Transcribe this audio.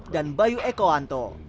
dan bayu ekoanto